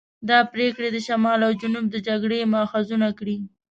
دا پرېکړې دې شمال او جنوب د جګړې محاذونه کړي.